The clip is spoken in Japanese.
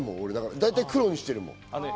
大体、黒にしてるもん。